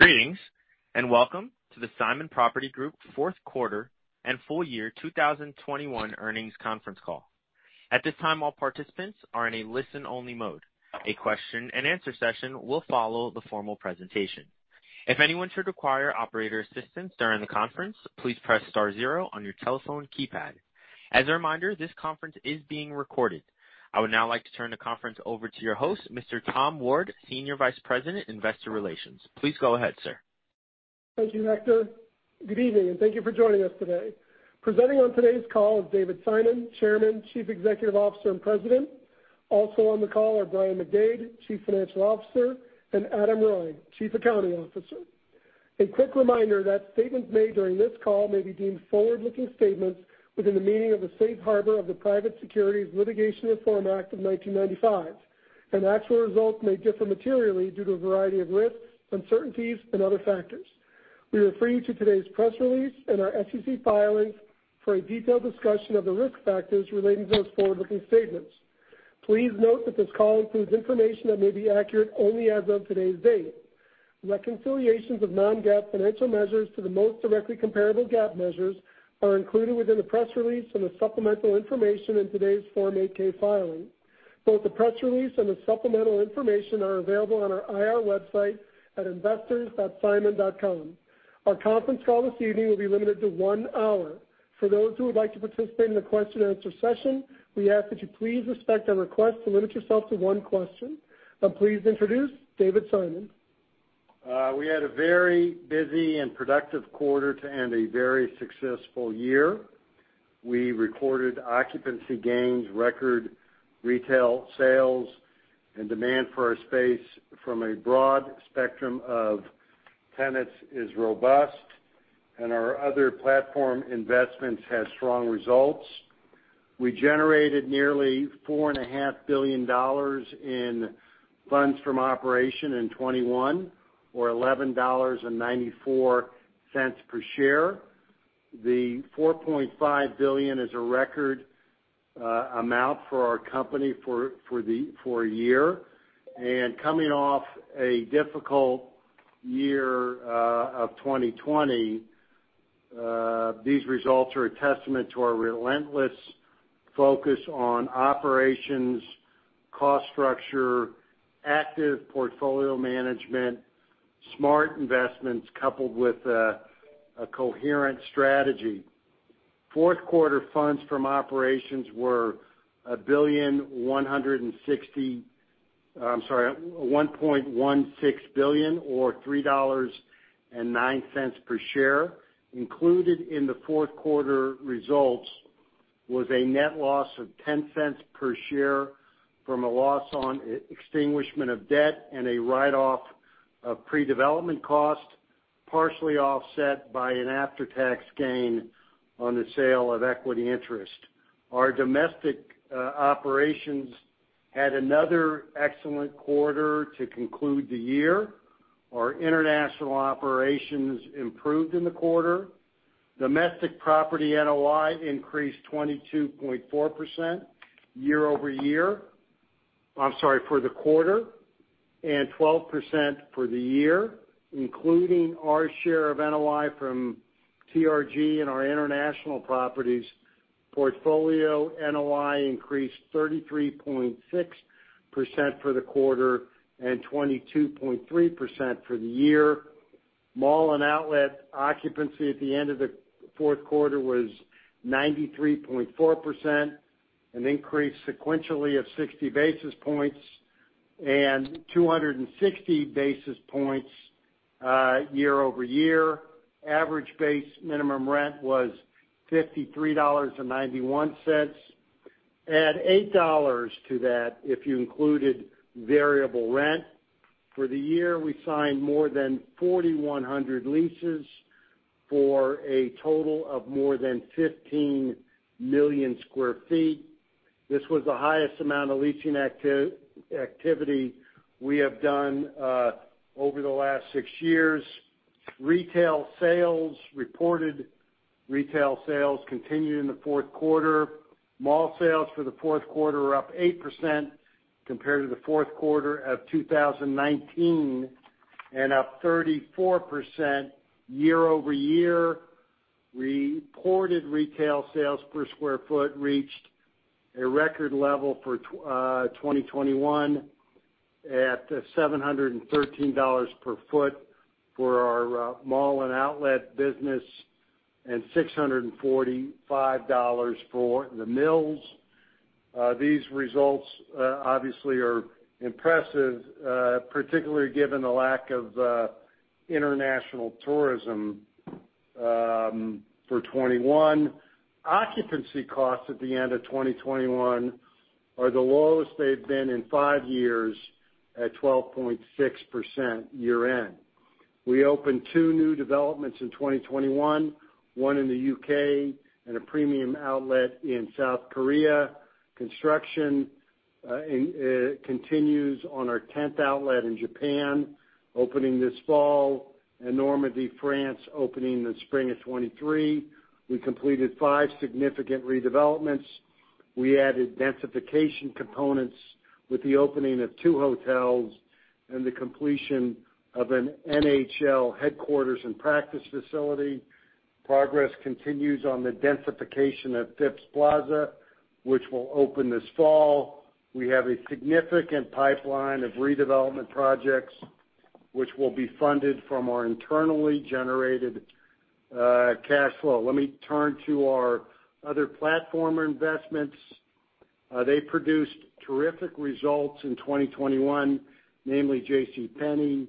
Greetings, and welcome to the Simon Property Group fourth quarter and full year 2021 earnings conference call. At this time, all participants are in a listen-only mode. A question-and-answer session will follow the formal presentation. If anyone should require operator assistance during the conference, please press star zero on your telephone keypad. As a reminder, this conference is being recorded. I would now like to turn the conference over to your host, Mr. Tom Ward, Senior Vice President, Investor Relations. Please go ahead, sir. Thank you, Hector. Good evening, and thank you for joining us today. Presenting on today's call is David Simon, Chairman, Chief Executive Officer, and President. Also on the call are Brian McDade, Chief Financial Officer, and Adam Reuille, Chief Accounting Officer. A quick reminder that statements made during this call may be deemed forward-looking statements within the meaning of the Safe Harbor of the Private Securities Litigation Reform Act of 1995. Actual results may differ materially due to a variety of risks, uncertainties, and other factors. We refer you to today's press release and our SEC filings for a detailed discussion of the risk factors relating to those forward-looking statements. Please note that this call includes information that may be accurate only as of today's date. Reconciliations of non-GAAP financial measures to the most directly comparable GAAP measures are included within the press release and the supplemental information in today's Form 8-K filing. Both the press release and the supplemental information are available on our IR website at investors.simon.com. Our conference call this evening will be limited to one hour. For those who would like to participate in the question-and-answer session, we ask that you please respect our request to limit yourself to one question. I'm pleased to introduce David Simon. We had a very busy and productive quarter to end a very successful year. We recorded occupancy gains, record retail sales, and demand for our space from a broad spectrum of tenants is robust, and our other platform investments had strong results. We generated nearly $4.5 billion in funds from operations in 2021 or $11.94 per share. The $4.5 billion is a record amount for our company for a year. Coming off a difficult year of 2020, these results are a testament to our relentless focus on operations, cost structure, active portfolio management, smart investments, coupled with a coherent strategy. Fourth quarter funds from operations were $1.16 billion or $3.09 per share. Included in the fourth quarter results was a net loss of $0.10 per share from a loss on extinguishment of debt and a write-off of pre-development cost, partially offset by an after-tax gain on the sale of equity interest. Our domestic operations had another excellent quarter to conclude the year. Our international operations improved in the quarter. Domestic property NOI increased 22.4% year-over-year. I'm sorry, for the quarter, and 12% for the year, including our share of NOI from TRG and our international properties. Portfolio NOI increased 33.6% for the quarter and 22.3% for the year. Mall and outlet occupancy at the end of the fourth quarter was 93.4%, an increase sequentially of 60 basis points and 260 basis points year-over-year. Average base minimum rent was $53.91. Add $8 to that if you included variable rent. For the year, we signed more than 4,100 leases for a total of more than 15 million sq ft. This was the highest amount of leasing activity we have done over the last six years. Reported retail sales continued in the fourth quarter. Mall sales for the fourth quarter are up 8% compared to the fourth quarter of 2019, and up 34% year-over-year. Reported retail sales per sq ft reached a record level for 2021 at $713 per foot for our mall and outlet business and $645 for The Mills. These results obviously are impressive, particularly given the lack of international tourism for 2021. Occupancy costs at the end of 2021 are the lowest they've been in five years at 12.6% year-end. We opened two new developments in 2021, one in the U.K. and a premium outlet in South Korea. Construction continues on our 10th outlet in Japan, opening this fall, and Normandy, France, opening in the spring of 2023. We completed five significant redevelopments. We added densification components with the opening of two hotels and the completion of an NHL headquarters and practice facility. Progress continues on the densification of Phipps Plaza, which will open this fall. We have a significant pipeline of redevelopment projects which will be funded from our internally generated cash flow. Let me turn to our other platform investments. They produced terrific results in 2021, namely JCPenney,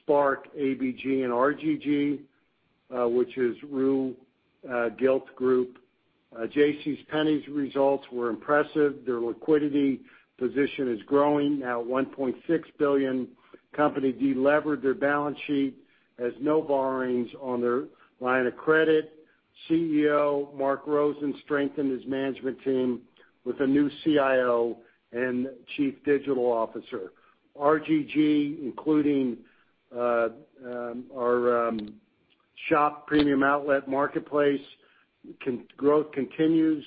SPARC, ABG, and RGG, which is Rue Gilt Groupe. JCPenney's results were impressive. Their liquidity position is growing, now at $1.6 billion. The company de-levered their balance sheet, has no borrowings on their line of credit. CEO Marc Rosen strengthened his management team with a new CIO and Chief Digital Officer. RGG, including our Shop Premium Outlets marketplace, growth continues,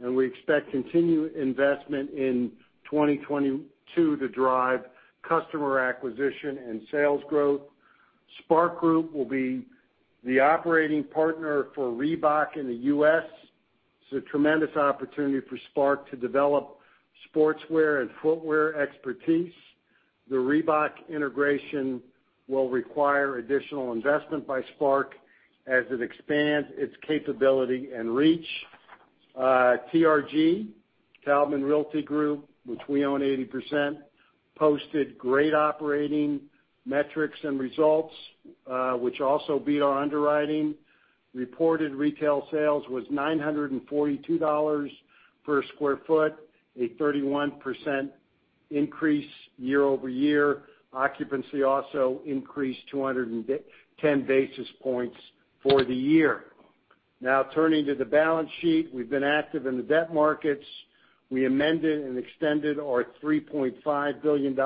and we expect continued investment in 2022 to drive customer acquisition and sales growth. SPARC Group will be the operating partner for Reebok in the U.S. It's a tremendous opportunity for SPARC to develop sportswear and footwear expertise. The Reebok integration will require additional investment by SPARC as it expands its capability and reach. TRG, Taubman Realty Group, which we own 80%, posted great operating metrics and results, which also beat our underwriting. Reported retail sales was $942 per sq ft, a 31% increase year-over-year. Occupancy also increased 210 basis points for the year. Now turning to the balance sheet. We've been active in the debt markets. We amended and extended our $3.5 billion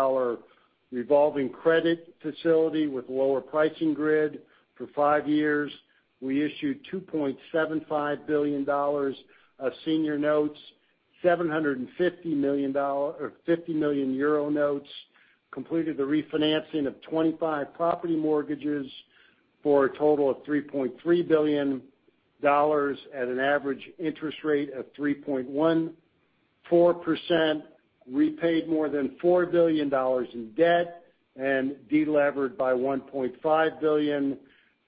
revolving credit facility with lower pricing grid for five years. We issued $2.75 billion of senior notes, EUR 750 million notes, completed the refinancing of 25 property mortgages for a total of $3.3 billion at an average interest rate of 3.14%, repaid more than $4 billion in debt, and delevered by $1.5 billion.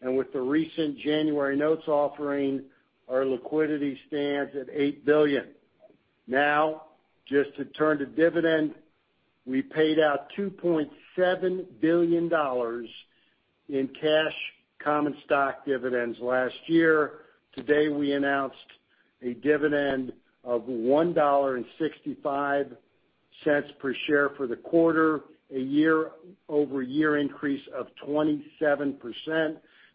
With the recent January notes offering, our liquidity stands at $8 billion. Now, just to turn to dividend, we paid out $2.7 billion in cash common stock dividends last year. Today, we announced a dividend of $1.65 per share for the quarter, a year-over-year increase of 27%.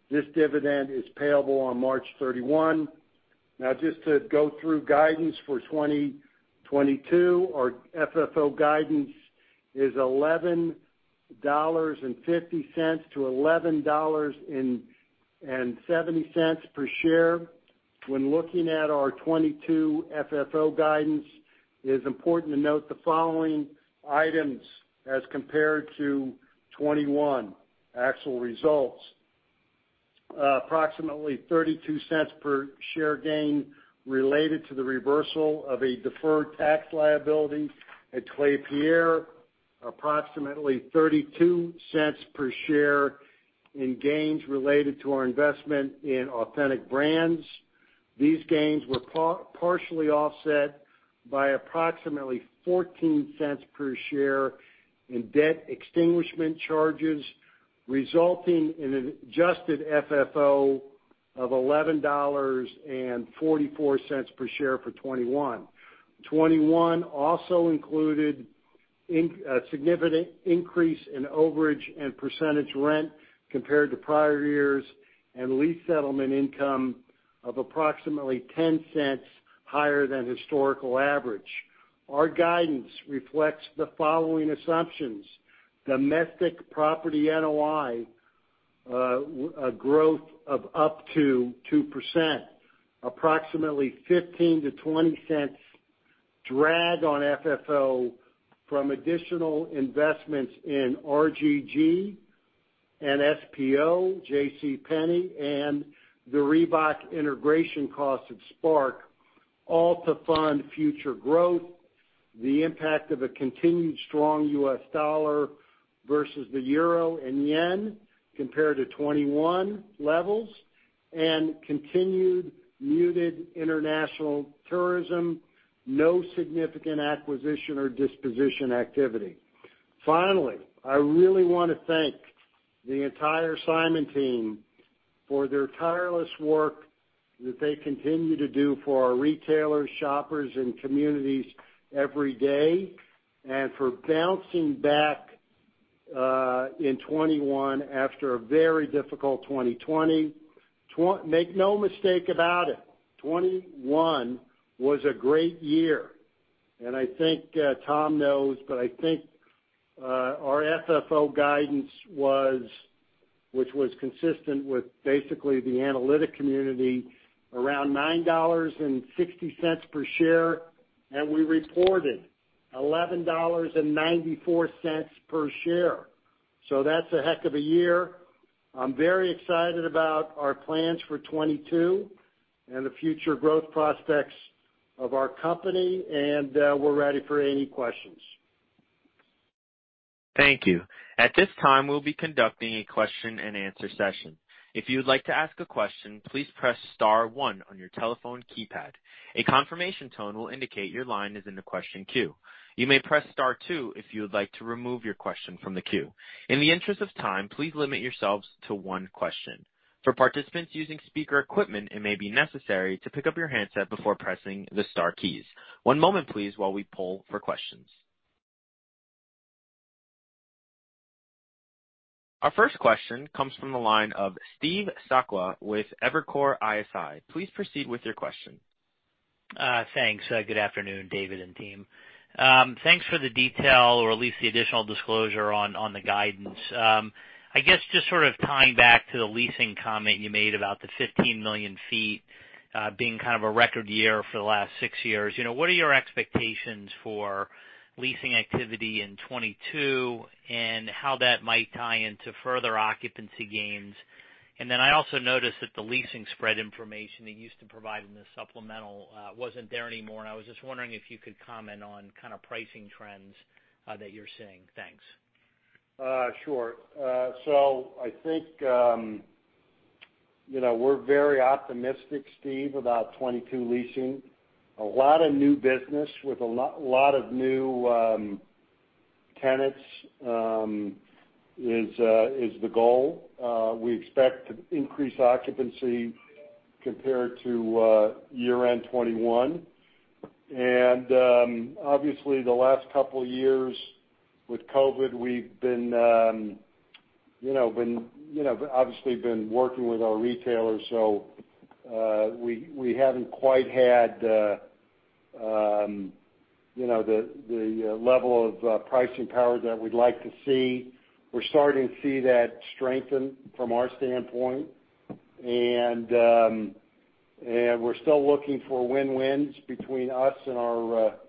This dividend is payable on March 31. Now just to go through guidance for 2022. Our FFO guidance is $11.50-$11.70 per share. When looking at our 2022 FFO guidance, it is important to note the following items as compared to 2021 actual results. Approximately $0.32 per share gain related to the reversal of a deferred tax liability at Klépierre. Approximately $0.32 per share in gains related to our investment in Authentic Brands Group. These gains were partially offset by approximately $0.14 per share in debt extinguishment charges, resulting in an adjusted FFO of $11.44 per share for 2021. 2021 also included a significant increase in overage and percentage rent compared to prior years, and lease settlement income of approximately $0.10 higher than historical average. Our guidance reflects the following assumptions. Domestic property NOI growth of up to 2%. Approximately $0.15-$0.20 drag on FFO from additional investments in RGG and SPO, JCPenney, and the Reebok integration cost of SPARC, all to fund future growth, the impact of a continued strong US dollar versus the euro and yen compared to 2021 levels, and continued muted international tourism, no significant acquisition or disposition activity. Finally, I really wanna thank the entire Simon team for their tireless work that they continue to do for our retailers, shoppers, and communities every day, and for bouncing back in 2021 after a very difficult 2020. Make no mistake about it, 2021 was a great year. I think Tom knows, but I think our FFO guidance was, which was consistent with basically the analyst community, around $9.60 per share, and we reported $11.94 per share. That's a heck of a year. I'm very excited about our plans for 2022 and the future growth prospects of our company, and we're ready for any questions. Thank you. At this time, we'll be conducting a question-and-answer session. If you would like to ask a question, please press star one on your telephone keypad. A confirmation tone will indicate your line is in the question queue. You may press star two if you would like to remove your question from the queue. In the interest of time, please limit yourselves to one question. For participants using speaker equipment, it may be necessary to pick up your handset before pressing the star keys. One moment, please, while we poll for questions. Our first question comes from the line of Steve Sakwa with Evercore ISI. Please proceed with your question. Thanks. Good afternoon, David and team. Thanks for the detail, or at least the additional disclosure on the guidance. I guess, just sort of tying back to the leasing comment you made about the 15 million sq ft being kind of a record year for the last six years. You know, what are your expectations for leasing activity in 2022, and how that might tie into further occupancy gains? I also noticed that the leasing spread information that you used to provide in the supplemental wasn't there anymore, and I was just wondering if you could comment on kind of pricing trends that you're seeing. Thanks. Sure. I think, you know, we're very optimistic, Steve, about 2022 leasing. A lot of new business with a lot of new tenants is the goal. We expect to increase occupancy compared to year-end 2021. Obviously, the last couple years with COVID, we've been working with our retailers, so we haven't quite had the level of pricing power that we'd like to see. We're starting to see that strengthen from our standpoint. We're still looking for win-wins between us and our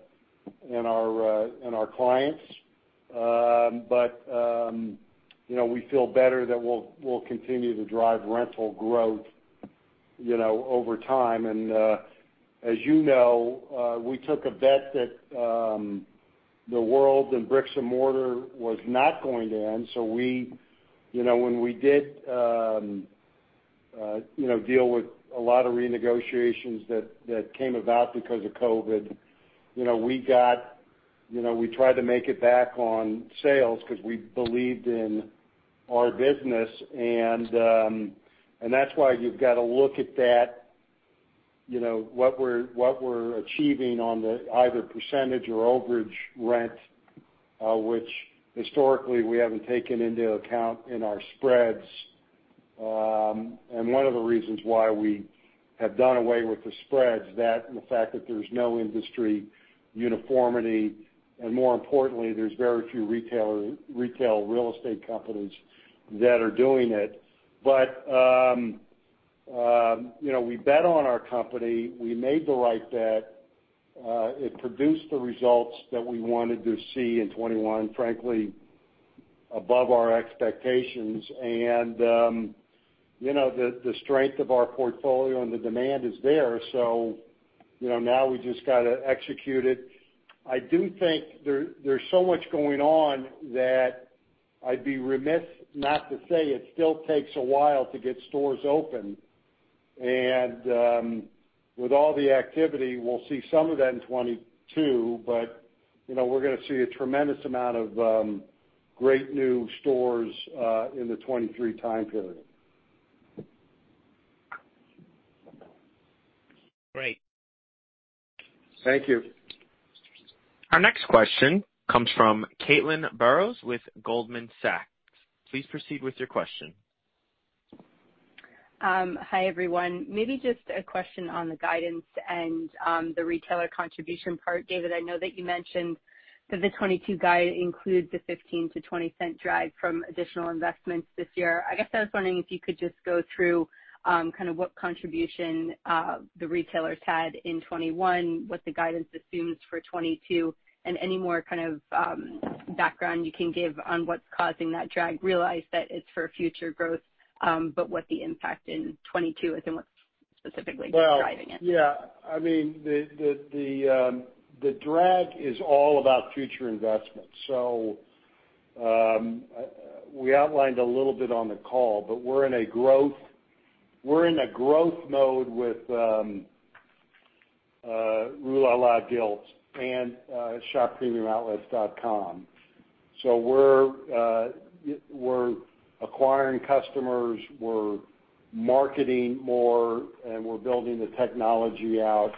clients. You know, we feel better that we'll continue to drive rental growth, you know, over time. As you know, we took a bet that the world and bricks and mortar was not going to end, so we, you know, when we did, you know, deal with a lot of renegotiations that came about because of COVID, you know, we got, you know, we tried to make it back on sales 'cause we believed in our business. That's why you've gotta look at that, you know, what we're achieving on the either percentage or overage rent, which historically we haven't taken into account in our spreads. One of the reasons why we have done away with the spreads, that and the fact that there's no industry uniformity, and more importantly, there's very few retail real estate companies that are doing it. You know, we bet on our company. We made the right bet. It produced the results that we wanted to see in 2021, frankly, above our expectations. The strength of our portfolio and the demand is there, so now we just gotta execute it. I do think there's so much going on that I'd be remiss not to say it still takes a while to get stores open. With all the activity, we'll see some of that in 2022, but we're gonna see a tremendous amount of great new stores in the 2023 time period. Great. Thank you. Our next question comes from Caitlin Burrows with Goldman Sachs. Please proceed with your question. Hi, everyone. Maybe just a question on the guidance and, the retailer contribution part. David, I know that you mentioned that the 2022 guidance includes the $0.15-$0.20 drag from additional investments this year. I guess I was wondering if you could just go through, kind of what contribution, the retailers had in 2021, what the guidance assumes for 2022, and any more kind of, background you can give on what's causing that drag. I realize that it's for future growth, but what the impact in 2022 is and what's specifically driving it. Well, yeah. I mean, the drag is all about future investments. We outlined a little bit on the call, but we're in a growth mode with Rue La La, Gilt and shoppremiumoutlets.com. So we're acquiring customers, we're marketing more, and we're building the technology out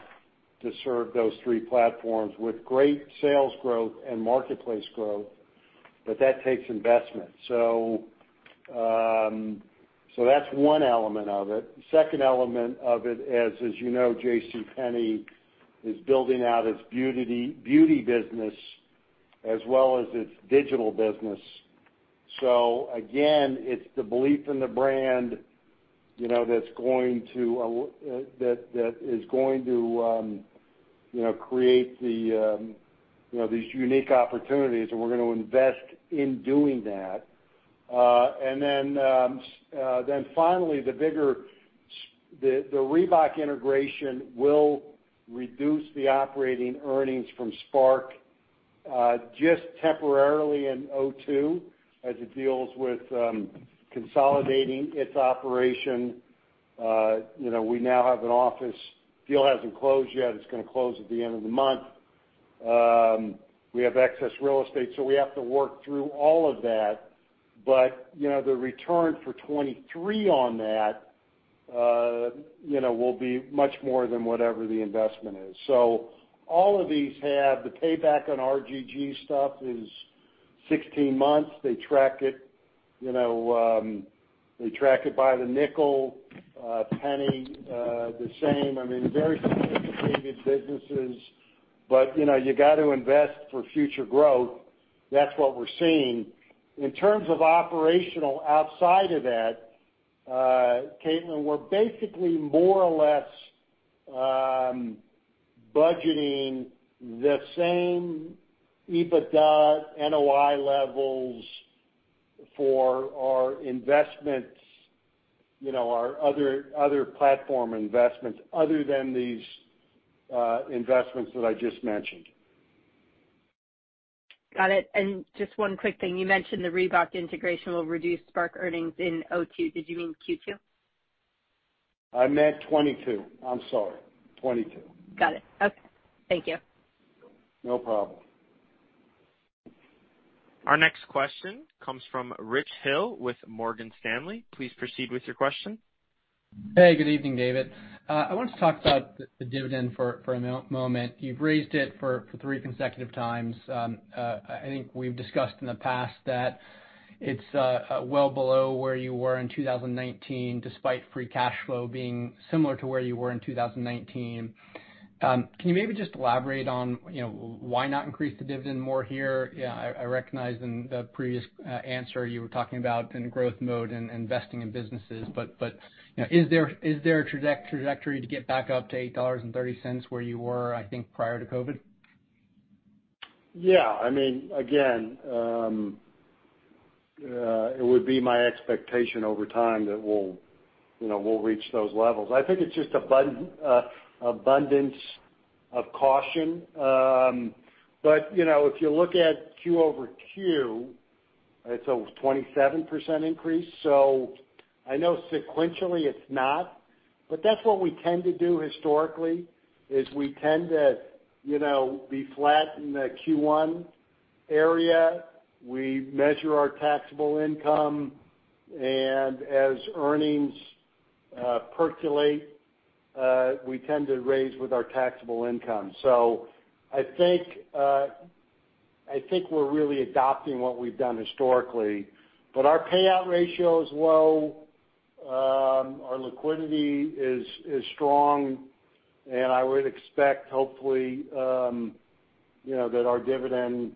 to serve those three platforms with great sales growth and marketplace growth, but that takes investment. So that's one element of it. Second element of it, as you know, JCPenney is building out its beauty business as well as its digital business. So again, it's the belief in the brand, you know, that's going to create the, you know, these unique opportunities, and we're gonna invest in doing that. Finally, the Reebok integration will reduce the operating earnings from SPARC, just temporarily in 2022 as it deals with consolidating its operation. You know, we now have an office. Deal hasn't closed yet. It's gonna close at the end of the month. We have excess real estate, so we have to work through all of that. You know, the return for 2023 on that, you know, will be much more than whatever the investment is. All of these have the payback on RGG stuff is 16 months. They track it, you know, they track it by the nickel, penny, the same. I mean, very sophisticated businesses, but, you know, you got to invest for future growth. That's what we're seeing. In terms of operations outside of that, Caitlin, we're basically more or less budgeting the same EBITDA, NOI levels for our investments, you know, our other platform investments other than these investments that I just mentioned. Got it. Just one quick thing. You mentioned the Reebok integration will reduce SPARC earnings in Q2. Did you mean Q2? I meant 2022. I'm sorry, 2022. Got it. Okay. Thank you. No problem. Our next question comes from Rich Hill with Morgan Stanley. Please proceed with your question. Hey, good evening, David. I wanted to talk about the dividend for a moment. You've raised it for three consecutive times. I think we've discussed in the past that it's well below where you were in 2019, despite free cash flow being similar to where you were in 2019. Can you maybe just elaborate on, you know, why not increase the dividend more here? Yeah, I recognize in the previous answer you were talking about in growth mode and investing in businesses. You know, is there a trajectory to get back up to $8.30 where you were, I think, prior to COVID? Yeah. I mean, again, it would be my expectation over time that we'll, you know, we'll reach those levels. I think it's just abundance of caution. But, you know, if you look at Q-over-Q, it's a 27% increase. So I know sequentially it's not, but that's what we tend to do historically, is we tend to, you know, be flat in the Q1 area. We measure our taxable income, and as earnings percolate, we tend to raise with our taxable income. So I think we're really adopting what we've done historically. But our payout ratio is low. Our liquidity is strong, and I would expect hopefully, you know, that our dividend,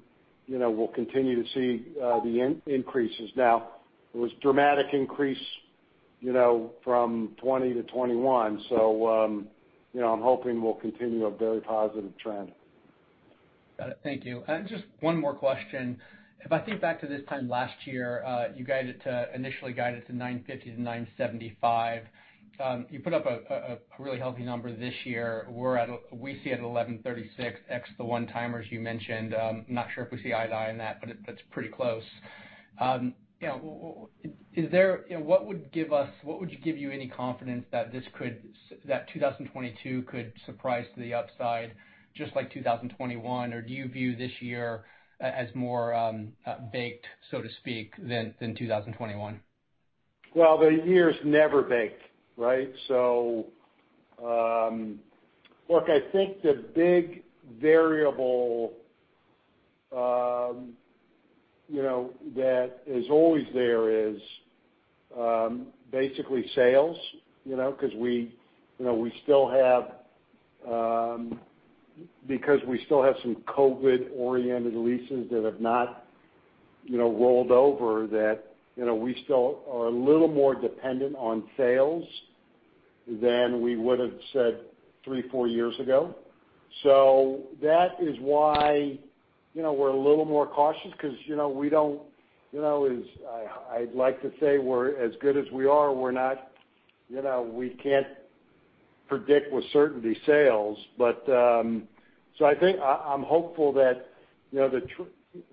you know, will continue to see the increases. Now it was dramatic increase, you know, from 2020 to 2021. You know, I'm hoping we'll continue a very positive trend. Got it. Thank you. Just one more question. If I think back to this time last year, you initially guided to $9.50-$9.75. You put up a really healthy number this year. We see it at $11.36 ex the one-timers you mentioned. Not sure if we see eye to eye in that, but that's pretty close. You know, what would give you any confidence that 2022 could surprise to the upside just like 2021? Or do you view this year as more baked, so to speak, than 2021? Well, the year's never baked, right? Look, I think the big variable that is always there is basically sales, you know, because we still have some COVID-oriented leases that have not rolled over, that we still are a little more dependent on sales than we would have said three, four years ago. That is why we're a little more cautious because, you know, as I'd like to say, we're as good as we are. We're not. We can't predict with certainty sales. I think I'm hopeful that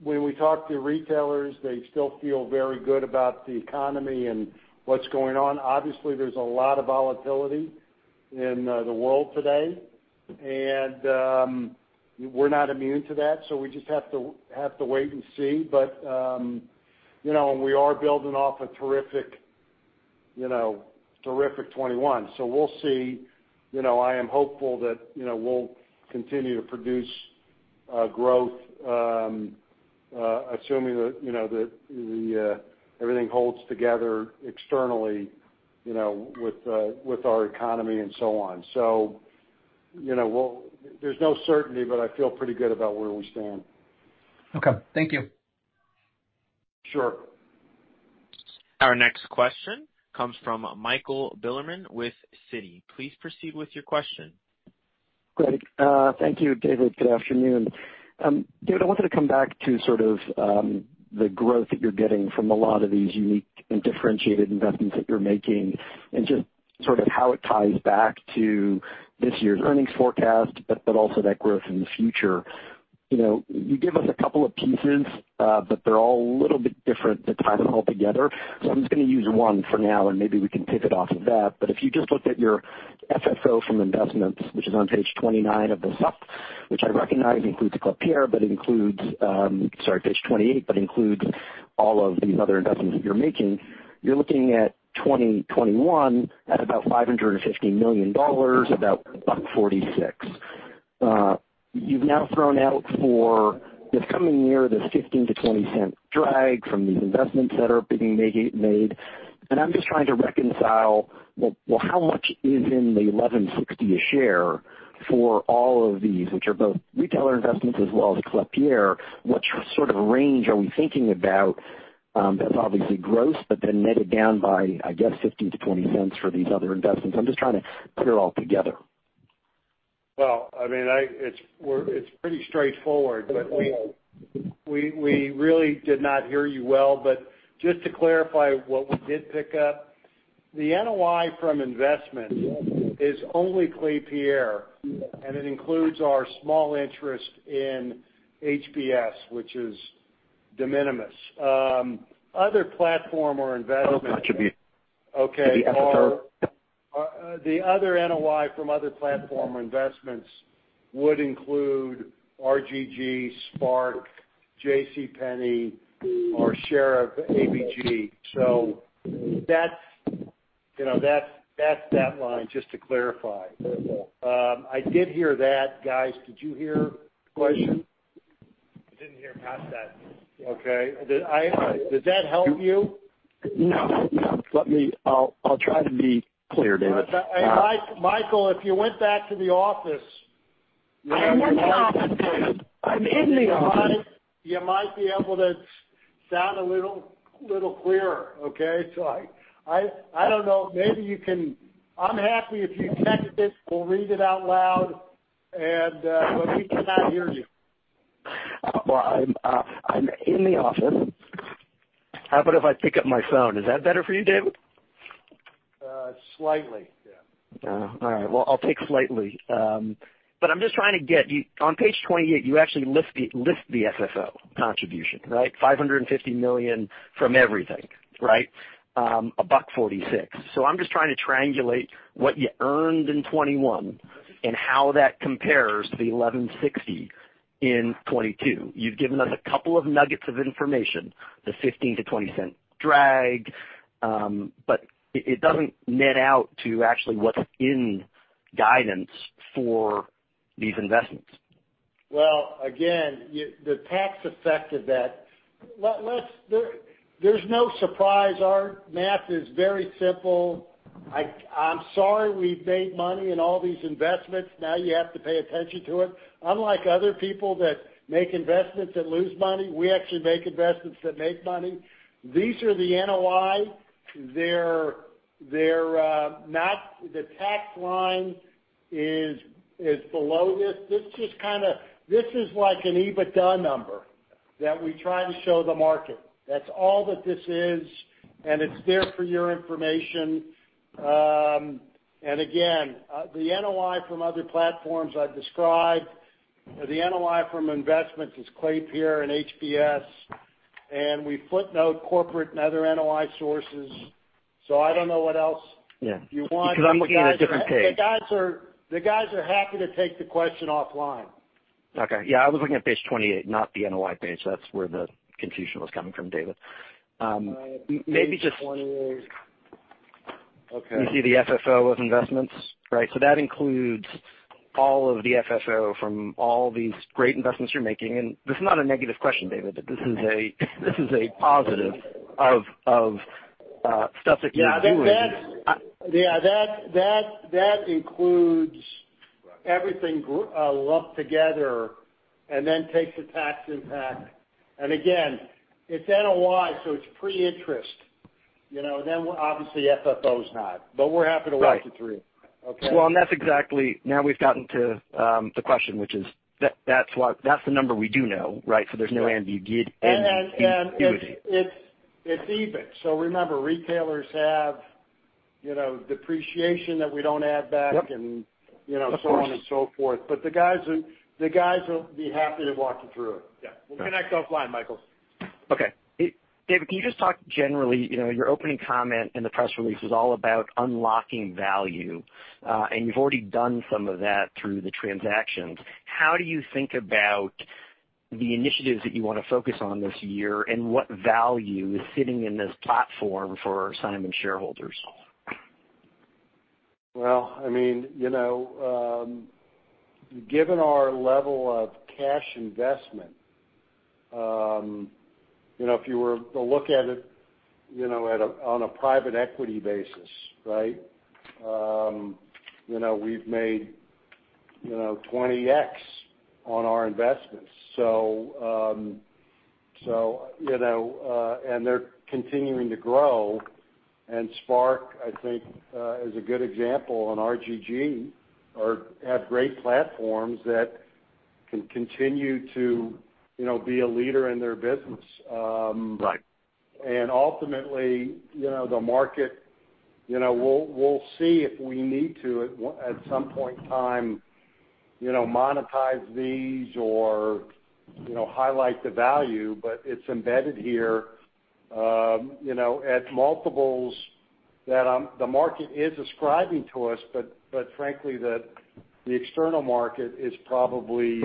when we talk to retailers, they still feel very good about the economy and what's going on. Obviously, there's a lot of volatility in the world today, and we're not immune to that, so we just have to wait and see. You know, we are building off a terrific, you know, terrific 2021, so we'll see. You know, I am hopeful that, you know, we'll continue to produce growth, assuming that, you know, the everything holds together externally. You know, with our economy and so on. You know, we'll. There's no certainty, but I feel pretty good about where we stand. Okay. Thank you. Sure. Our next question comes from Michael Bilerman with Citi. Please proceed with your question. Great. Thank you, David. Good afternoon. David, I wanted to come back to sort of the growth that you're getting from a lot of these unique and differentiated investments that you're making, and just sort of how it ties back to this year's earnings forecast, but also that growth in the future. You know, you give us a couple of pieces, but they're all a little bit different to tie them all together. I'm just gonna use one for now, and maybe we can pivot off of that. If you just looked at your FFO from investments, which is on page 29 of the sup, which I recognize includes the Klépierre, but includes. Sorry, page 28, but includes all of these other investments that you're making, you're looking at 2021 at about $550 million, about $1.46. You've now thrown out for this coming year, this $0.15-$0.20 drag from these investments that are being made. I'm just trying to reconcile, well, how much is in the $11.60 a share for all of these, which are both retailer investments as well as Klépierre. What sort of range are we thinking about, that's obviously gross, but then netted down by, I guess, $0.15-$0.20 for these other investments? I'm just trying to put it all together. Well, I mean, it's pretty straightforward, but we really did not hear you well. Just to clarify what we did pick up, the NOI from investment is only Klépierre, and it includes our small interest in HBS, which is de minimis. Other platform or investment Oh, contribution. Okay. The EBITDA. The other NOI from other platform investments would include RGG, SPARC, JCPenney, our share of ABG. That's, you know, that's that line, just to clarify. I did hear that. Guys, did you hear the question? I didn't hear past that. Okay. Does that help you? No, no. I'll try to be clear, David. Michael, if you went back to the office. I am in the office, David. I'm in the office. You might be able to sound a little clearer, okay? I don't know. Maybe you can. I'm happy if you text it, we'll read it out loud, but we cannot hear you. Well, I'm in the office. How about if I pick up my phone? Is that better for you, David? Slightly, yeah. I'm just trying to get you on page 28. You actually list the FFO contribution, right? $550 million from everything, right? $1.46. I'm just trying to triangulate what you earned in 2021 and how that compares to the $11.60 in 2022. You've given us a couple of nuggets of information, the $0.15-$0.20 drag. It doesn't net out to actually what's in guidance for these investments. Well, again, the tax effect of that. Let's. There's no surprise. Our math is very simple. I'm sorry we've made money in all these investments. Now you have to pay attention to it. Unlike other people that make investments that lose money, we actually make investments that make money. These are the NOI. They're not. The tax line is below this. This is like an EBITDA number that we try to show the market. That's all that this is, and it's there for your information. The NOI from other platforms I've described. The NOI from investments is Klépierre and HBS, and we footnote corporate and other NOI sources. I don't know what else- Yeah. you want. Because I'm looking at a different page. The guys are happy to take the question offline. Okay. Yeah, I was looking at page 28, not the NOI page. That's where the confusion was coming from, David. Maybe just. Page 28. Okay. You see the FFO of investments, right? That includes all of the FFO from all these great investments you're making. This is not a negative question, David, but this is a positive of stuff that you're doing. Yeah, that includes everything lumped together and then takes a tax impact. Again, it's NOI, so it's pre-interest. You know, then obviously FFO's not, but we're happy to walk you through it. Right. Okay? Well, that's exactly. Now we've gotten to the question, which is that's the number we do know, right? There's no ambiguity. It's EBIT. Remember, retailers have, you know, depreciation that we don't add back. Yep. you know. Of course. So on and so forth. The guys will be happy to walk you through it. Yeah. We'll connect offline, Michael. Okay. David, can you just talk generally, you know, your opening comment in the press release was all about unlocking value, and you've already done some of that through the transactions. How do you think about the initiatives that you wanna focus on this year, and what value is sitting in this platform for Simon shareholders? Well, I mean, you know, given our level of cash investment, you know, if you were to look at it, you know, on a private equity basis, right? You know, we've made 20x on our investments. You know, and they're continuing to grow. SPARC, I think, is a good example, and RGG have great platforms that can continue to, you know, be a leader in their business. Right. Ultimately, you know, the market, you know, we'll see if we need to at some point in time, you know, monetize these or, you know, highlight the value. But it's embedded here, you know, at multiples that the market is ascribing to us. But frankly, the external market is probably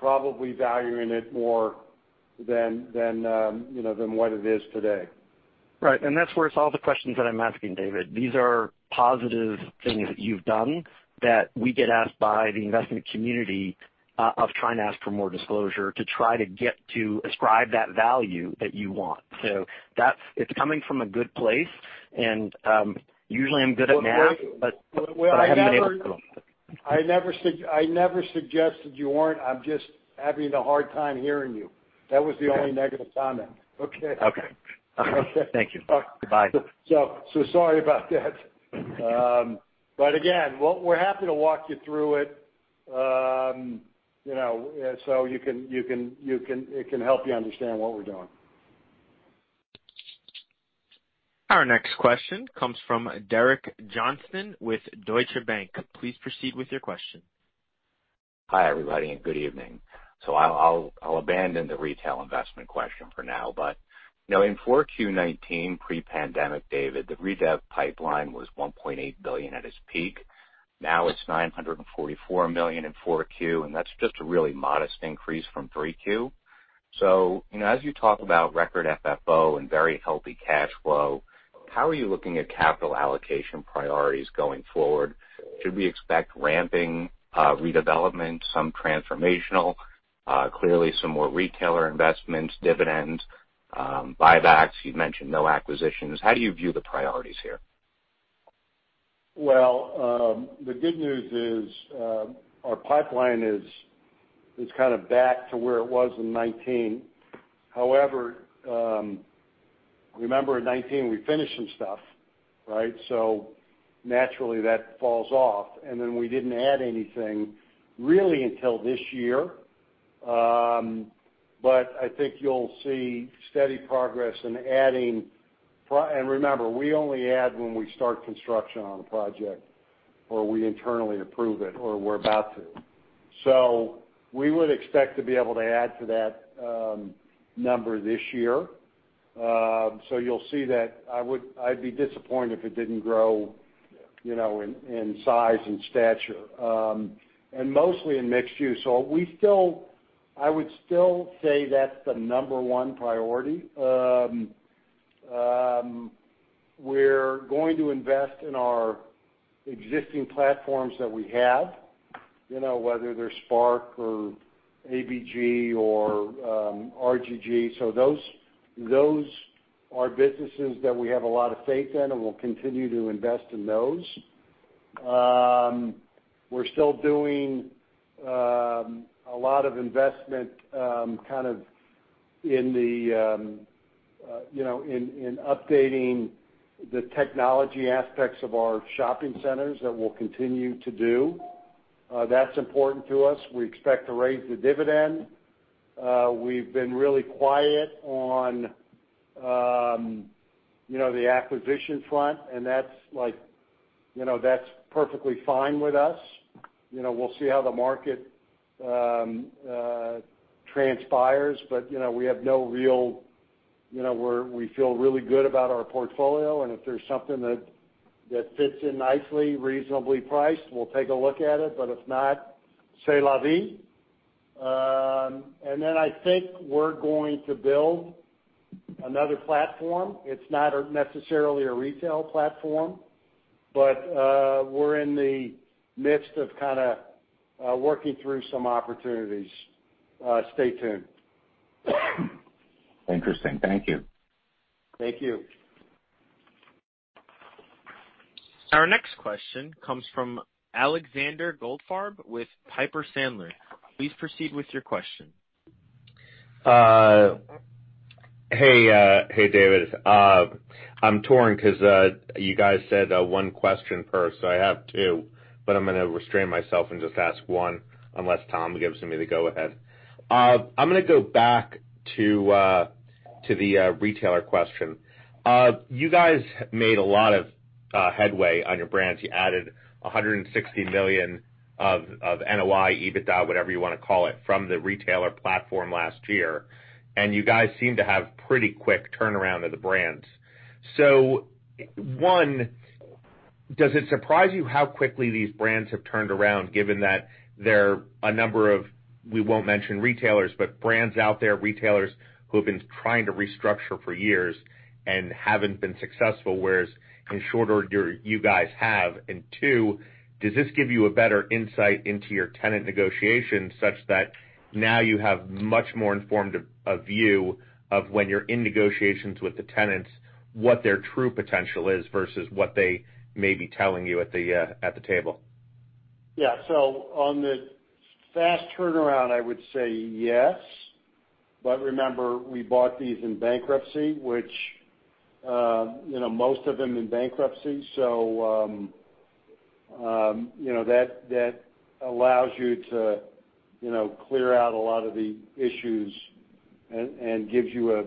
valuing it more than you know than what it is today. Right. That's where it's all the questions that I'm asking, David. These are positive things that you've done that we get asked by the investment community about trying to ask for more disclosure to try to get to ascribe that value that you want. It's coming from a good place. Usually I'm good at math. Well, well, I never. I haven't been able to. I never suggested you weren't. I'm just having a hard time hearing you. Okay. That was the only negative comment. Okay? Okay. Thank you. Goodbye. Sorry about that. Again, we're happy to walk you through it, you know, so it can help you understand what we're doing. Our next question comes from Derek Johnston with Deutsche Bank. Please proceed with your question. Hi, everybody, and good evening. I'll abandon the retail investment question for now. You know, in Q4 2019 pre-pandemic, David, the redev pipeline was $1.8 billion at its peak. Now it's $944 million in Q4, and that's just a really modest increase from Q3. You know, as you talk about record FFO and very healthy cash flow, how are you looking at capital allocation priorities going forward? Should we expect ramping redevelopment, some transformational, clearly some more retailer investments, dividends, buybacks? You've mentioned no acquisitions. How do you view the priorities here? Well, the good news is our pipeline is kind of back to where it was in 2019. However, remember in 2019 we finished some stuff, right? Naturally, that falls off. Then we didn't add anything really until this year. I think you'll see steady progress in adding. Remember, we only add when we start construction on a project or we internally approve it or we're about to. We would expect to be able to add to that number this year. You'll see that I'd be disappointed if it didn't grow, you know, in size and stature, and mostly in mixed use. I would still say that's the number one priority. We're going to invest in our existing platforms that we have, you know, whether they're SPARC or ABG or RGG. Those are businesses that we have a lot of faith in, and we'll continue to invest in those. We're still doing a lot of investment kind of in the you know, in updating the technology aspects of our shopping centers that we'll continue to do. That's important to us. We expect to raise the dividend. We've been really quiet on you know, the acquisition front, and that's like you know, that's perfectly fine with us. You know, we'll see how the market transpires. You know, we have no real, you know, we feel really good about our portfolio, and if there's something that fits in nicely, reasonably priced, we'll take a look at it. If not, c'est la vie. I think we're going to build another platform. It's not necessarily a retail platform, but we're in the midst of kinda working through some opportunities. Stay tuned. Interesting. Thank you. Thank you. Our next question comes from Alexander Goldfarb with Piper Sandler. Please proceed with your question. Hey, David. I'm torn 'cause you guys said one question per, so I have two, but I'm gonna restrain myself and just ask one unless Tom gives me the go ahead. I'm gonna go back to the retailer question. You guys made a lot of headway on your brands. You added $160 million of NOI, EBITDA, whatever you wanna call it, from the retailer platform last year, and you guys seem to have pretty quick turnaround of the brands. One, does it surprise you how quickly these brands have turned around given that there are a number of. We won't mention retailers, but brands out there, retailers who have been trying to restructure for years and haven't been successful, whereas in shorter you guys have. Two, does this give you a better insight into your tenant negotiations such that now you have much more informed a view of when you're in negotiations with the tenants, what their true potential is versus what they may be telling you at the table? Yeah. On the fast turnaround, I would say yes. Remember, we bought these in bankruptcy, which, you know, most of them in bankruptcy. You know, that allows you to clear out a lot of the issues and gives you a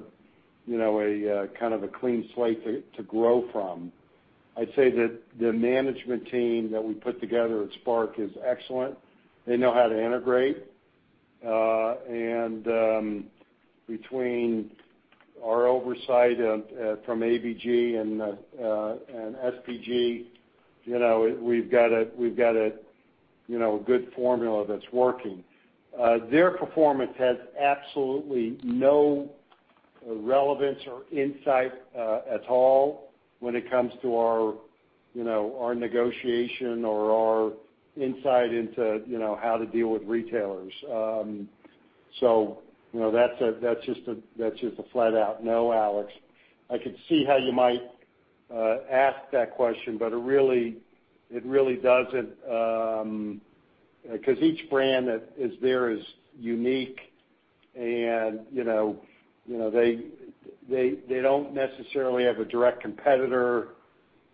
you know, a kind of a clean slate to grow from. I'd say that the management team that we put together at SPARC is excellent. They know how to integrate. And between our oversight from ABG and SPG, you know, we've got a you know, a good formula that's working. Their performance has absolutely no relevance or insight at all when it comes to our you know, our negotiation or our insight into you know, how to deal with retailers. You know, that's just a flat out no, Alex. I could see how you might ask that question, but it really doesn't because each brand that is there is unique and, you know, they don't necessarily have a direct competitor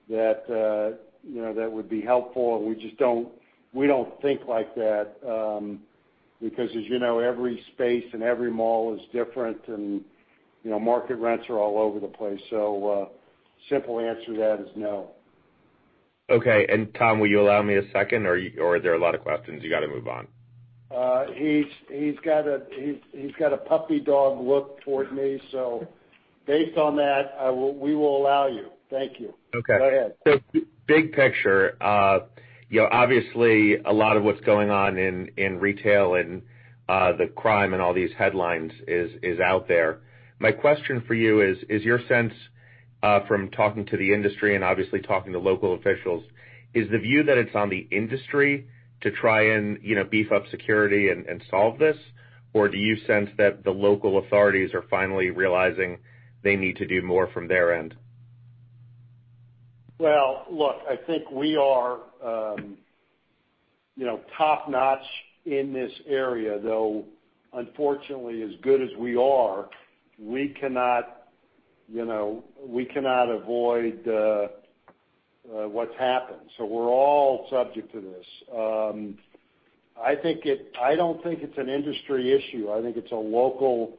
that you know that would be helpful. We just don't think like that because as you know, every space and every mall is different, and, you know, market rents are all over the place. Simple answer to that is no. Okay. Tom, will you allow me a second, or are there a lot of questions you gotta move on? He's got a puppy dog look toward me, so based on that, we will allow you. Thank you. Okay. Go ahead. Big picture, you know, obviously a lot of what's going on in retail and the crime and all these headlines is out there. My question for you is your sense from talking to the industry and obviously talking to local officials, is the view that it's on the industry to try and you know, beef up security and solve this? Or do you sense that the local authorities are finally realizing they need to do more from their end? Well, look, I think we are, you know, top-notch in this area, though unfortunately, as good as we are, we cannot, you know, avoid what's happened. We're all subject to this. I don't think it's an industry issue. I think it's a local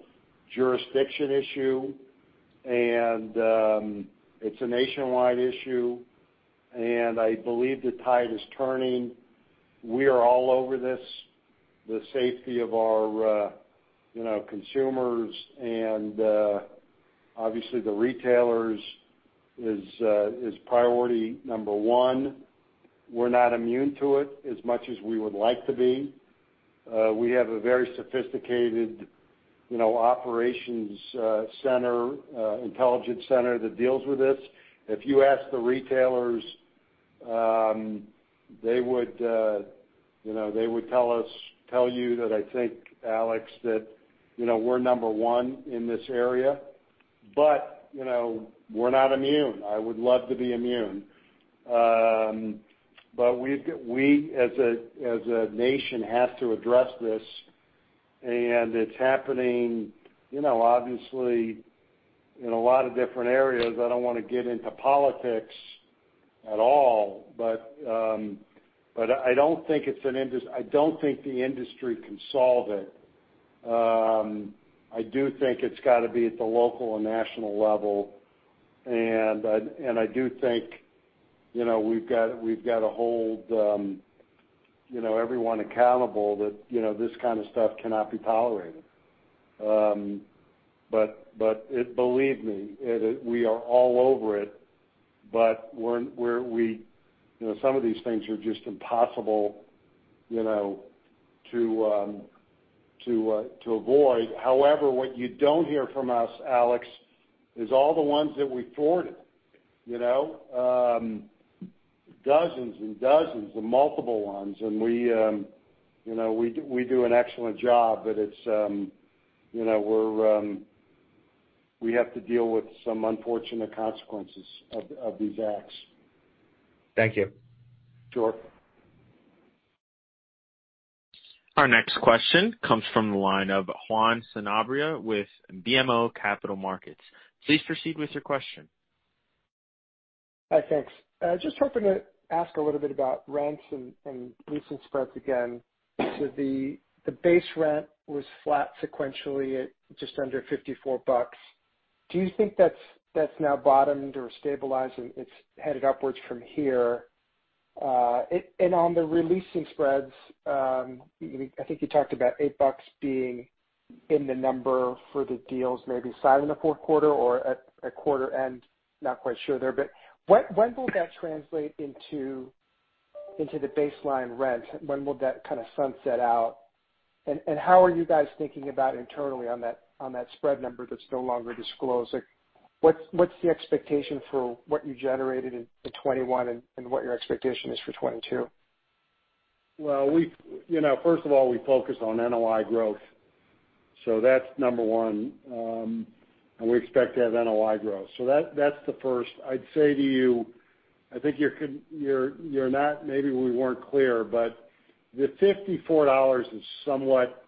jurisdiction issue, and it's a nationwide issue, and I believe the tide is turning. We are all over this. The safety of our, you know, consumers and obviously the retailers is priority number one. We're not immune to it as much as we would like to be. We have a very sophisticated, you know, operations center, intelligence center that deals with this. If you ask the retailers, they would tell you that I think, Alex, you know, we're number one in this area, but you know, we're not immune. I would love to be immune. We as a nation have to address this, and it's happening, you know, obviously in a lot of different areas. I don't want to get into politics at all, but I don't think the industry can solve it. I do think it's gotta be at the local and national level. I do think you know, we've gotta hold everyone accountable that this kind of stuff cannot be tolerated. Believe me, we are all over it, but, you know, some of these things are just impossible, you know, to avoid. However, what you don't hear from us, Alex, is all the ones that we thwarted, you know? Dozens and dozens of multiple ones. We, you know, do an excellent job, but it's, you know, we have to deal with some unfortunate consequences of these acts. Thank you. Sure. Our next question comes from the line of Juan Sanabria with BMO Capital Markets. Please proceed with your question. Hi, thanks. I was just hoping to ask a little bit about rents and leasing spreads again. The base rent was flat sequentially at just under $54. Do you think that's now bottomed or stabilized and it's headed upwards from here? On the leasing spreads, you, I think, talked about $8 being in the number for the deals maybe signed in the fourth quarter or at quarter end, not quite sure there. What, when will that translate into the baseline rent? When will that kind of sunset out? How are you guys thinking about internally on that spread number that's no longer disclosed? Like, what's the expectation for what you generated in 2021 and what your expectation is for 2022? Well, you know, first of all, we focus on NOI growth, so that's number one. We expect to have NOI growth. That's the first. I'd say to you, I think you're not. Maybe we weren't clear, but the $54 is somewhat,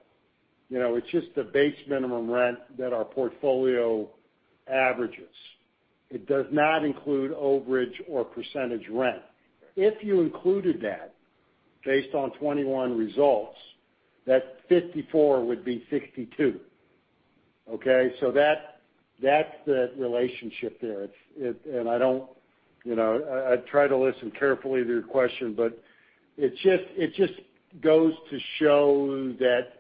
you know, it's just the base minimum rent that our portfolio averages. It does not include overage or percentage rent. If you included that based on 2021 results, that $54 would be $62. Okay? That's the relationship there. I don't, you know, I try to listen carefully to your question, but it just goes to show that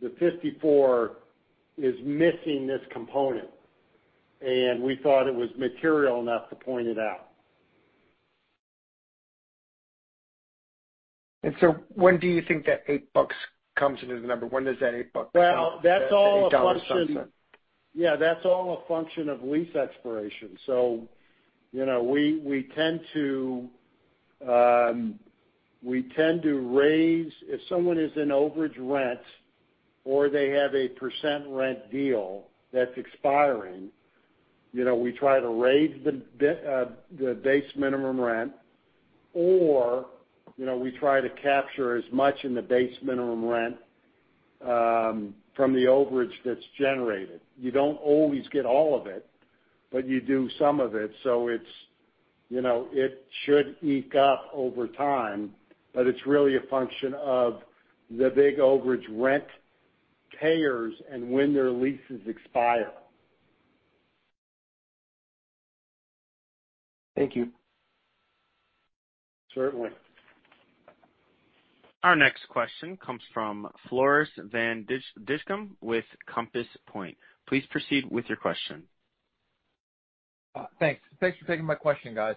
the $54 is missing this component, and we thought it was material enough to point it out. When do you think that $8 comes into the number? Well, that's all a function. that $8 sunset? Yeah. That's all a function of lease expiration. You know, we tend to raise if someone is in overage rent or they have a percent rent deal that's expiring, you know, we try to raise the base minimum rent or, you know, we try to capture as much in the base minimum rent from the overage that's generated. You don't always get all of it, but you do some of it. It's, you know, it should inch up over time, but it's really a function of the big overage rent payers and when their leases expire. Thank you. Certainly. Our next question comes from Floris van Dijkum with Compass Point. Please proceed with your question. Thanks for taking my question, guys.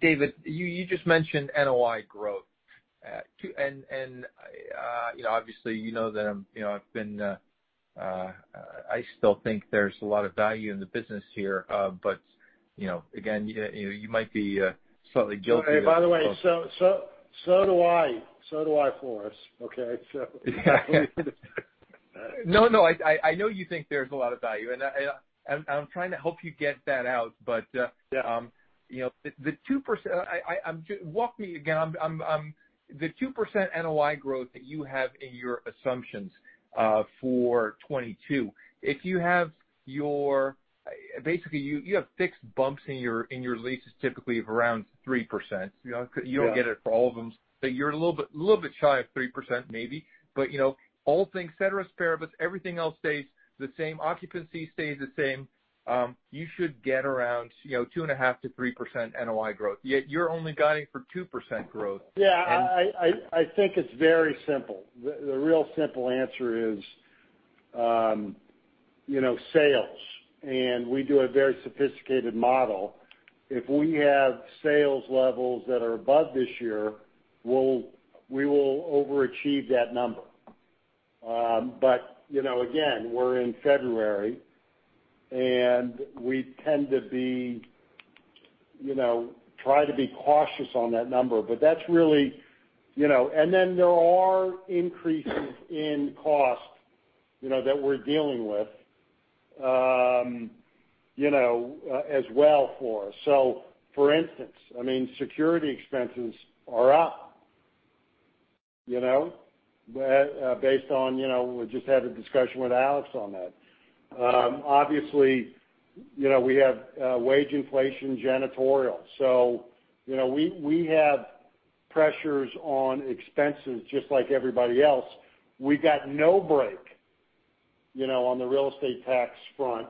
David, you just mentioned NOI growth. You know, obviously, you know that I'm, you know, I've been. I still think there's a lot of value in the business here. You know, again, you know, you might be slightly guilty of- By the way, so do I. So do I, Floris. Okay? So No, I know you think there's a lot of value, and I'm trying to help you get that out. Yeah. You know, the 2% NOI growth that you have in your assumptions for 2022, if you have your. Basically, you have fixed bumps in your leases typically of around 3%. You know? Yeah. You don't get it for all of them, but you're a little bit shy of 3% maybe. You know, all things ceteris paribus, everything else stays the same, occupancy stays the same, you should get around, you know, 2.5%-3% NOI growth, yet you're only guiding for 2% growth. Yeah. And- I think it's very simple. The real simple answer is, you know, sales. We do a very sophisticated model. If we have sales levels that are above this year, we will overachieve that number. You know, again, we're in February, and we tend to be, you know, try to be cautious on that number. That's really, you know. Then there are increases in cost, you know, that we're dealing with, you know, as well for us. For instance, I mean, security expenses are up, you know, based on, you know, we just had a discussion with Alex on that. Obviously, you know, we have wage inflation, janitorial. You know, we have pressures on expenses just like everybody else. We got no break, you know, on the real estate tax front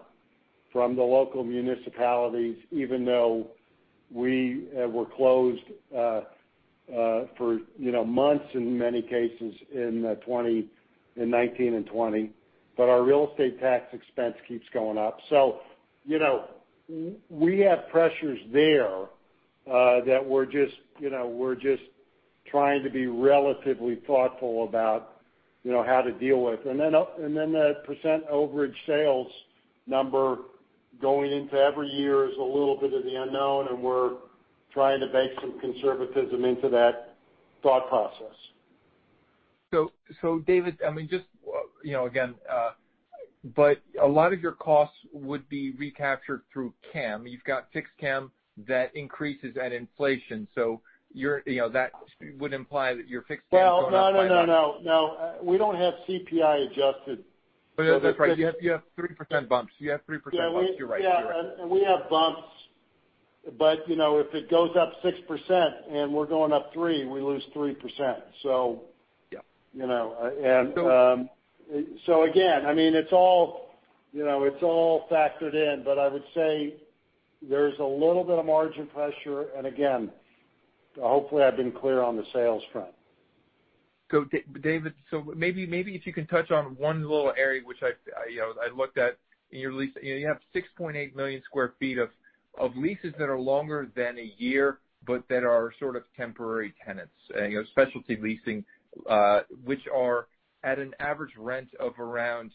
from the local municipalities, even though we were closed, you know, for months in many cases in 2019 and 2020. Our real estate tax expense keeps going up. You know, we have pressures there that we're just, you know, we're just trying to be relatively thoughtful about, you know, how to deal with. The percent overage sales number going into every year is a little bit of the unknown, and we're trying to bake some conservatism into that thought process. David, I mean, just, you know, again, but a lot of your costs would be recaptured through CAM. You've got fixed CAM that increases at inflation, so you're, you know, that would imply that your fixed CAM is going up by about- Well, no. We don't have CPI adjusted. Yeah, that's right. You have 3% bumps. Yeah. You're right. You're right. Yeah, and we have bumps. You know, if it goes up 6% and we're going up 3%, we lose 3%, so- Yeah. You know. Again, I mean, it's all, you know, it's all factored in, but I would say there's a little bit of margin pressure. Hopefully I've been clear on the sales front. David, maybe if you can touch on one little area which I've looked at in your lease. You have 6.8 million sq ft of leases that are longer than a year, but that are sort of temporary tenants. Specialty leasing, which are at an average rent of around,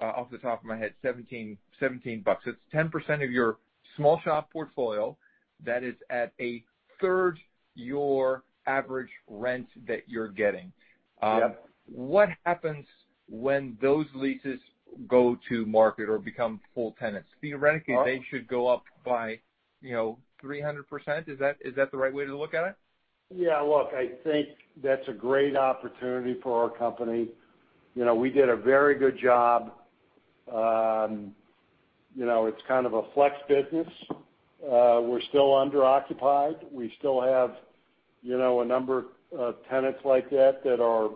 off the top of my head, $17. It's 10% of your small shop portfolio that is at a third your average rent that you're getting. Yep. What happens when those leases go to market or become full tenants? Theoretically, they should go up by, you know, 300%. Is that the right way to look at it? Yeah. Look, I think that's a great opportunity for our company. You know, we did a very good job. You know, it's kind of a flex business. We're still under-occupied. We still have, you know, a number of tenants like that that are,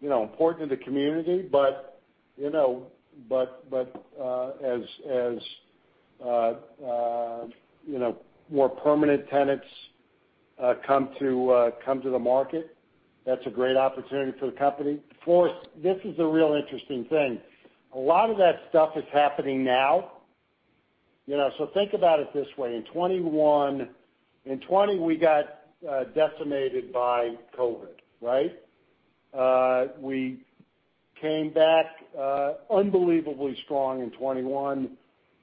you know, important to the community. But you know, as you know, more permanent tenants come to the market, that's a great opportunity for the company. Floris, this is the real interesting thing. A lot of that stuff is happening now, you know, so think about it this way. In 2020, we got decimated by COVID, right? We came back unbelievably strong in 2021,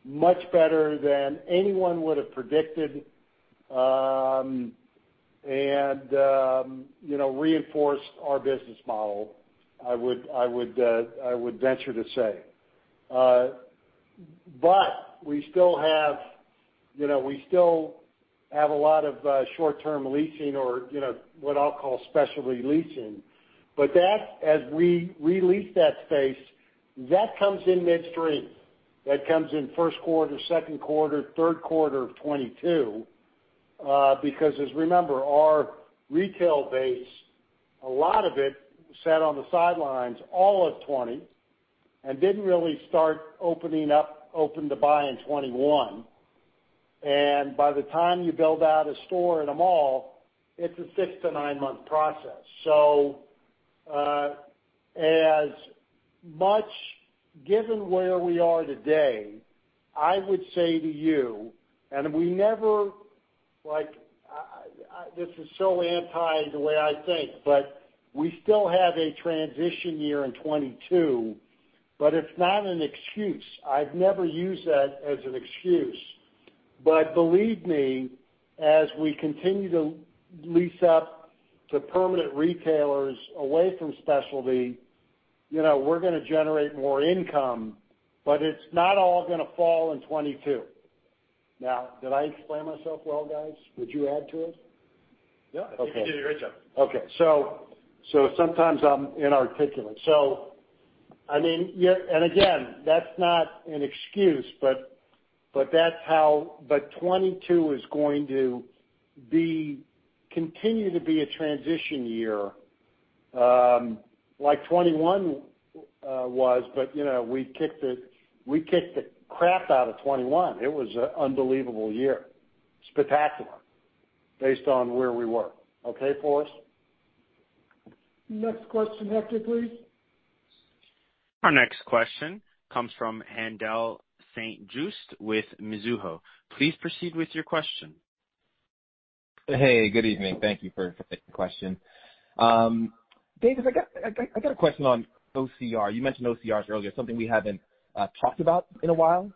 much better than anyone would have predicted, and you know, reinforced our business model. I would venture to say. We still have, you know, a lot of short-term leasing or, you know, what I'll call specialty leasing. That, as we re-lease that space, comes in midstream. That comes in first quarter, second quarter, third quarter of 2022. Because, as you remember, our retail base, a lot of it sat on the sidelines all of 2020 and didn't really start opening up, open to buy in 2021. By the time you build out a store in a mall, it's a six to nine month process. Given where we are today, I would say to you, and we never... This is so antithetical to the way I think, but we still have a transition year in 2022, but it's not an excuse. I've never used that as an excuse. Believe me, as we continue to lease up to permanent retailers away from specialty, you know, we're gonna generate more income, but it's not all gonna fall in 2022. Now, did I explain myself well, guys? Would you add to it? No. Okay. I think you did a great job. Okay. Sometimes I'm inarticulate. I mean, yeah. Again, that's not an excuse, but that's how 2022 is going to continue to be a transition year, like 2021 was. You know, we kicked the crap out of 2021. It was an unbelievable year, spectacular based on where we were. Okay, Floris? Next question, Hector, please. Our next question comes from Haendel St. Juste with Mizuho. Please proceed with your question. Hey, good evening. Thank you for taking the question. David, I got a question on OCR. You mentioned OCRs earlier, something we haven't talked about in a while.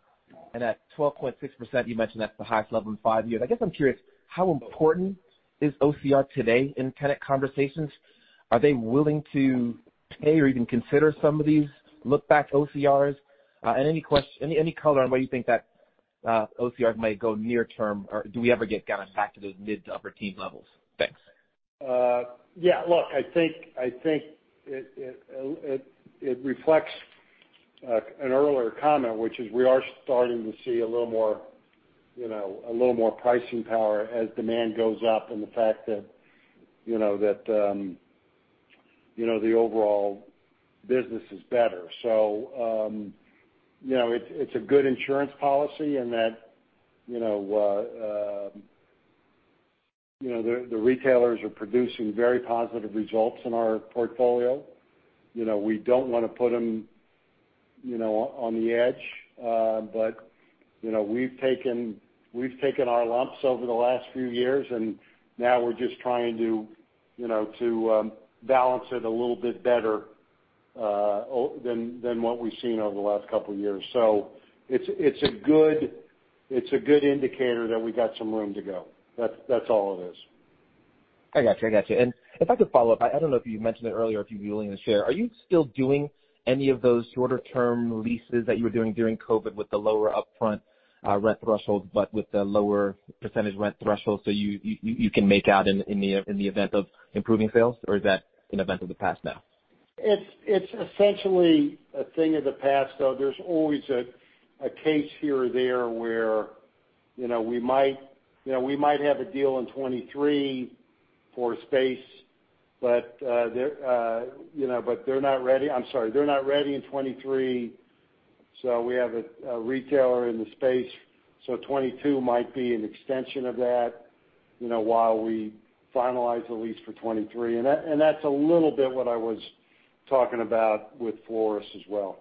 At 12.6%, you mentioned that's the highest level in five years. I guess I'm curious, how important is OCR today in tenant conversations? Are they willing to pay or even consider some of these look-back OCRs? And any color on where you think that, OCRs might go near-term, or do we ever get kind of back to those mid- to upper-teen levels? Thanks. Yeah. Look, I think it reflects an earlier comment, which is we are starting to see a little more pricing power as demand goes up and the fact that the overall business is better. So, you know, it's a good insurance policy in that the retailers are producing very positive results in our portfolio. You know, we don't wanna put them on the edge. But, you know, we've taken our lumps over the last few years, and now we're just trying to balance it a little bit better than what we've seen over the last couple of years. It's a good indicator that we got some room to go. That's all it is. I got you. If I could follow up, I don't know if you mentioned it earlier or if you'd be willing to share. Are you still doing any of those shorter-term leases that you were doing during COVID with the lower upfront rent threshold, but with the lower percentage rent threshold so you can make out in the event of improving sales, or is that an event of the past now? It's essentially a thing of the past, though there's always a case here or there where, you know, we might have a deal in 2023 for space, but they're not ready in 2023 so we have a retailer in the space, so 2022 might be an extension of that, you know, while we finalize the lease for 2023. That's a little bit what I was talking about with Floris as well.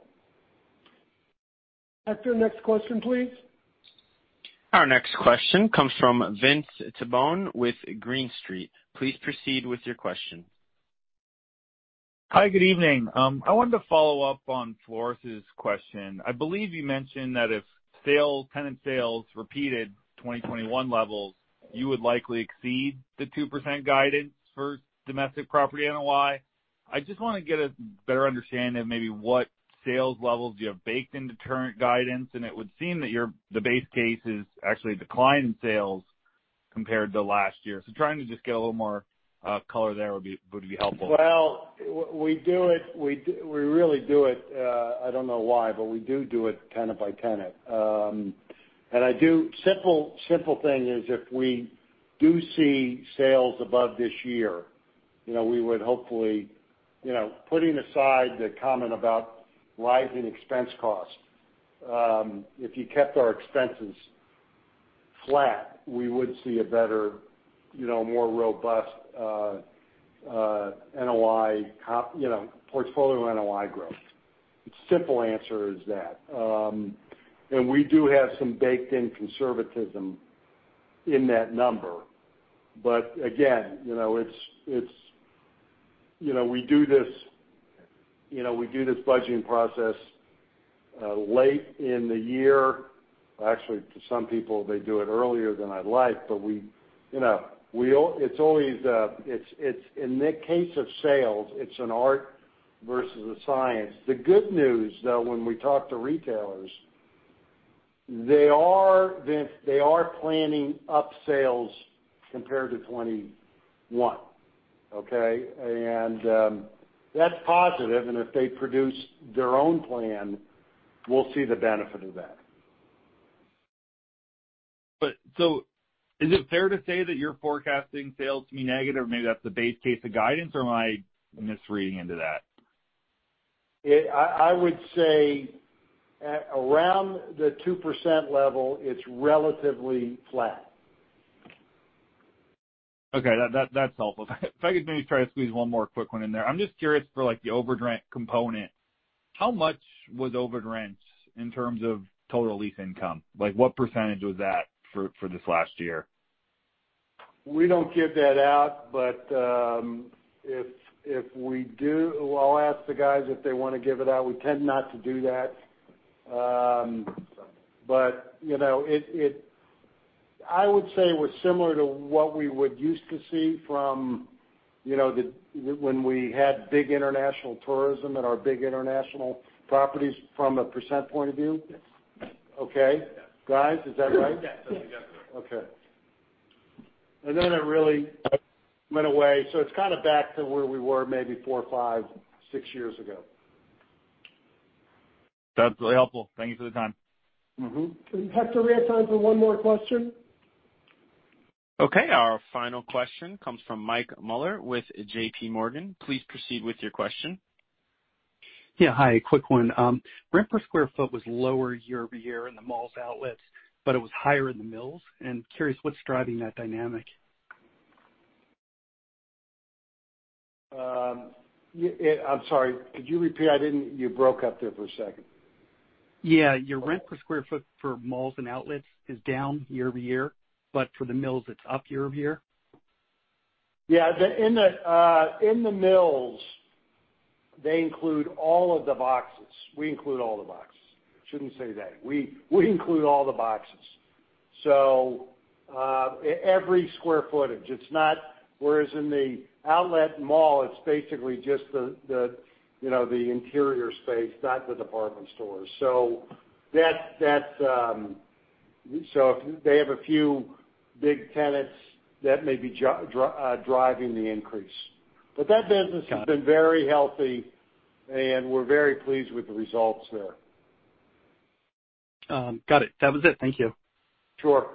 Hector, next question, please. Our next question comes from Vince Tibone with Green Street. Please proceed with your question. Hi, good evening. I wanted to follow up on Floris's question. I believe you mentioned that if tenant sales repeated 2021 levels, you would likely exceed the 2% guidance for domestic property NOI. I just wanna get a better understanding of maybe what sales levels you have baked into current guidance. It would seem that your base case is actually decline in sales compared to last year. Trying to just get a little more color there would be helpful. We do it, we really do it, I don't know why, but we do it tenant by tenant. The simple thing is if we do see sales above this year, you know, we would hopefully, you know, putting aside the comment about rising expense costs, if you kept our expenses flat, we would see a better, you know, more robust NOI, you know, portfolio NOI growth. The simple answer is that. We do have some baked in conservatism in that number. Again, you know, it is. You know, we do this budgeting process late in the year. Actually, to some people, they do it earlier than I'd like. We, you know, it's always, it's in the case of sales, it's an art versus a science. The good news, though, when we talk to retailers, they are planning up sales compared to 2021, okay? That's positive, and if they produce their own plan, we'll see the benefit of that. Is it fair to say that you're forecasting sales to be negative? Maybe that's the base case of guidance or am I misreading into that? I would say at around the 2% level, it's relatively flat. Okay. That's helpful. If I could maybe try to squeeze one more quick one in there. I'm just curious for, like, the over rent component, how much was over rent in terms of total lease income? Like, what percentage was that for this last year? We don't give that out, but if we do, I'll ask the guys if they wanna give it out. We tend not to do that. But you know, I would say it was similar to what we used to see from, you know, when we had big international tourism at our big international properties from a percentage point of view. Okay. Guys, is that right? Yes. That's exactly right. Okay. It really went away. It's kinda back to where we were maybe four, five, six years ago. That's really helpful. Thank you for the time. Mm-hmm. Hector, we have time for one more question. Okay. Our final question comes from Michael Mueller with JPMorgan. Please proceed with your question. Yeah. Hi. Quick one. Rent per sq ft was lower year-over-year in the Malls, Outlets, but it was higher in the Mills. I'm curious what's driving that dynamic. I'm sorry. Could you repeat? You broke up there for a second. Yeah. Your rent per square foot for malls and outlets is down year-over-year, but for the malls, it's up year-over-year. Yeah. In the malls, they include all of the boxes. We include all the boxes. Shouldn't say that. We include all the boxes. Every square footage, it's not. Whereas in the outlet mall, it's basically just the, you know, the interior space, not the department stores. That's so if they have a few big tenants, that may be driving the increase. That business has been very healthy, and we're very pleased with the results there. Got it. That was it. Thank you. Sure.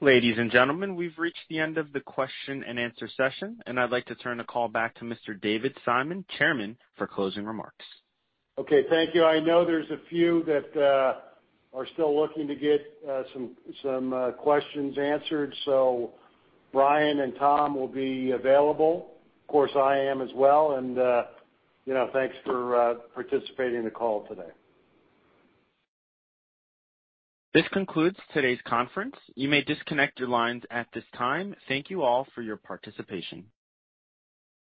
Ladies and gentlemen, we've reached the end of the question-and-answer session, and I'd like to turn the call back to Mr. David Simon, Chairman, for closing remarks. Okay. Thank you. I know there's a few that are still looking to get some questions answered, so Brian and Tom will be available. Of course, I am as well. You know, thanks for participating in the call today. This concludes today's conference. You may disconnect your lines at this time. Thank you all for your participation.